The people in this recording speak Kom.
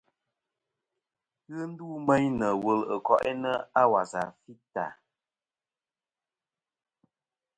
Ghɨ ndu meyn nɨ̀ wul ɨ ko'inɨ a wasà fità.